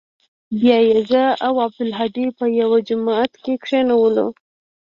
بيا يې زه او عبدالهادي په يوه جماعت کښې کښېنولو.